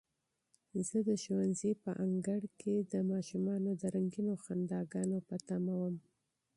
زه د ښوونځي په انګړ کې د ماشومانو د رنګینو خنداګانو په تمه وم.